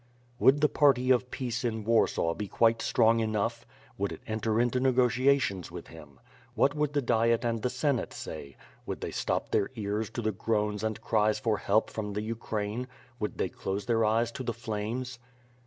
Would the party of peace in Warsaw be quite strong enough? Would it enter into negotiations with him. What would the Diet and the Senate say? Would they stop their ears to the groans and cries for help from the Ukraine? Would they close their eyes to the flames?